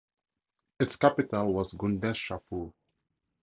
Its capital was Gundeshapur.